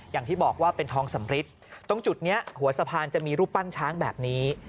อย่างที่บอกว่าเป็นทองสำริดตรงจุดนี้หัวสะพานจะมีรูปปั้นช้างแบบนี้